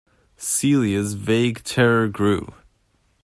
Celia's vague terror grew.